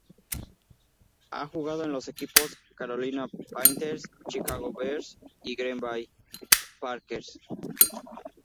Ha jugado en los equipos Carolina Panthers, Chicago Bears y Green Bay Packers.